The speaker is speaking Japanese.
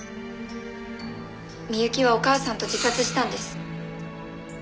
美雪はお母さんと自殺したんです。